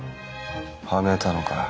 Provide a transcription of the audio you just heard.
はめたのか。